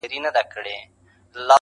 o زه نو بيا څنگه مخ در واړومه.